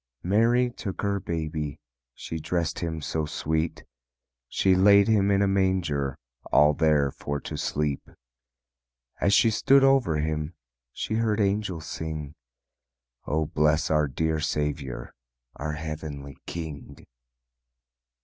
Mary took her baby, She dressed Him so sweet, She laid Him in a manger, All there for to sleep. As she stood over Him She heard angels sing, "O bless our dear Saviour, Our heavenly King."